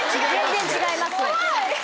全然違います。